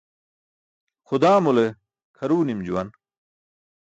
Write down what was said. Xudaamule kʰaruw nim juwan.